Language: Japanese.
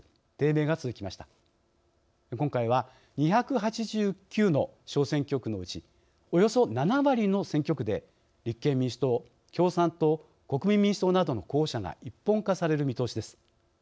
今回は２８９の小選挙区のうちおよそ７割の選挙区で立憲民主党共産党国民民主党などの候補者が一本化される見通しです。